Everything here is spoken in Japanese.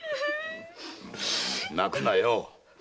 泣くなよ。